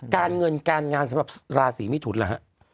การเงินการงานสำหรับลาสีไม่ถุ้นล่ะ